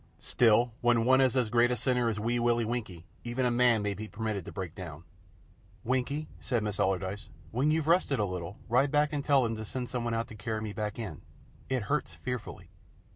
Still, when one is as great a sinner as Wee Willie Winkie, even a man may be permitted to break down. "Winkie," said Miss Allardyce, "when you've rested a little, ride back and tell them to send out something to carry me back in. It hurts fearfully."